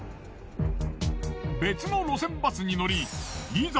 別の路線バスに乗りいざ。